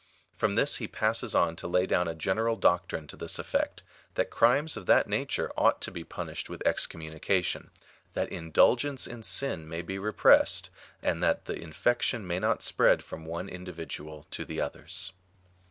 From this he passes on to lay down a general doc trine to this effect, that crimes of that nature ought to be punished with excommunication, that indulgence in sin may be repressed, and that the infection may not spread from one individual to the others.